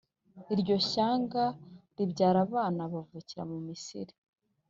iryo shyanga ribyara abana bavukira mu misiri